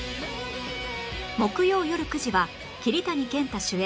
木曜よる９時は桐谷健太主演